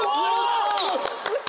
よし！